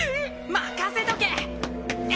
任せとけ！